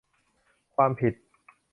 ความผิด